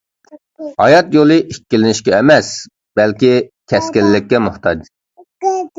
ھايات يولى ئىككىلىنىشكە ئەمەس، بەلكى كەسكىنلىككە موھتاج!